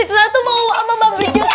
incus tuh mau sama mbak mirjok